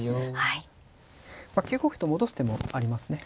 まあ９五歩と戻す手もありますね。